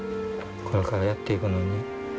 これからやっていくのに。